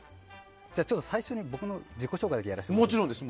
最初の僕の自己紹介だけやらせてもらって。